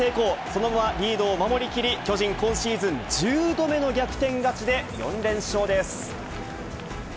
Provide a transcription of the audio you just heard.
その後はリードを守り切り、巨人、今シーズン１０度目の逆転勝ちで、４連勝です。